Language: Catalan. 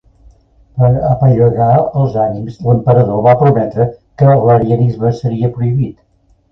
Per apaivagar els ànims l'emperador va prometre que l'arianisme seria prohibit.